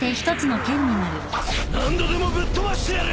何度でもぶっ飛ばしてやる！